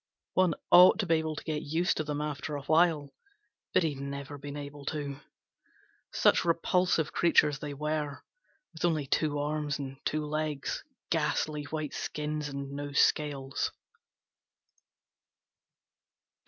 One ought to be able to get used to them after a while, but he'd never been able to. Such repulsive creatures they were, with only two arms and two legs, ghastly white skins and no scales.